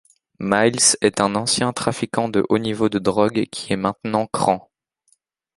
Miles est un ancien trafiquant de haut niveau de drogue qui est maintenant cran.